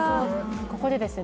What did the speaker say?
ここでですね